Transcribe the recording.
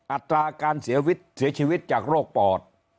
อัตราการเสียชีวิตจากโรคปอด